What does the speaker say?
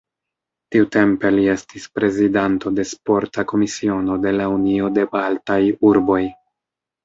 Tiutempe li estis prezidanto de Sporta Komisiono de la Unio de Baltaj Urboj.